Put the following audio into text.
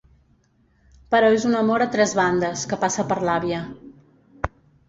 Però és un amor a tres bandes, que passa per l'àvia.